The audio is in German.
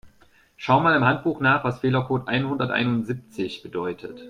Schau mal im Handbuch nach, was Fehlercode einhunderteinundsiebzig bedeutet.